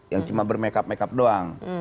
yang cuma bermake up make up doang